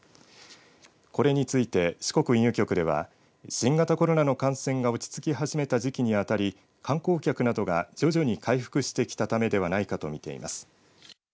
これについて四国運輸局では新型コロナの感染が落ち着き始めた時期に当たり観光客などが徐々に回復してきたためではないかと見ています。